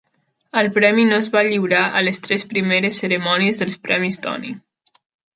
El premi no es va lliurar a les tres primeres cerimònies dels Premis Tony.